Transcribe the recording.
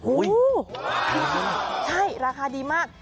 โอ้โหราคาดีมาก